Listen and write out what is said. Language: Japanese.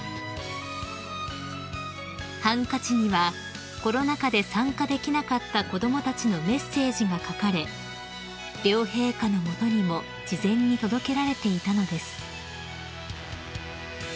［ハンカチにはコロナ禍で参加できなかった子供たちのメッセージが書かれ両陛下の元にも事前に届けられていたのです］